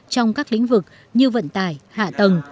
trong các lĩnh vực như vận tài hạ tầng